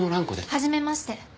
はじめまして。